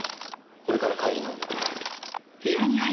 これから会議なので。